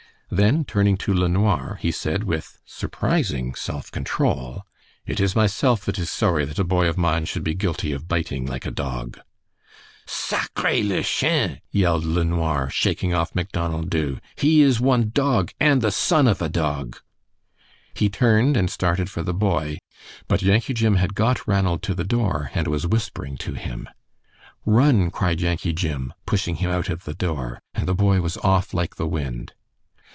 Then turning to LeNoir, he said, with surprising self control, "It is myself that is sorry that a boy of mine should be guilty of biting like a dog." "Sa c r re le chien!" yelled LeNoir, shaking off Macdonald Dubh; "he is one dog, and the son of a dog!" He turned and started for the boy. But Yankee Jim had got Ranald to the door and was whispering to him. "Run!" cried Yankee Jim, pushing him out of the door, and the boy was off like the wind.